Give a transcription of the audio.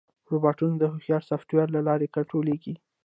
روبوټونه د هوښیار سافټویر له لارې کنټرولېږي.